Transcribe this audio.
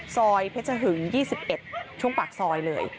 ซอยเพชรหึง๒๑ช่วงปากซอยเลย